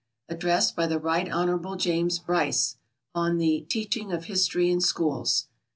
Address by the Right Hon. James Bryce, on the "Teaching of History in Schools."